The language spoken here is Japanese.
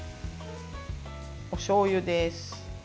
おしょうゆです。